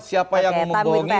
siapa yang membohongi